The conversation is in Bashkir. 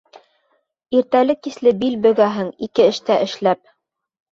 Иртәле-кисле бил бөгәһең, ике эштә эшләп.